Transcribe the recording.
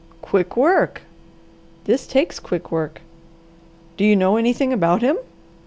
"Quick work!" "This takes quick work." "Do you know anything about him?"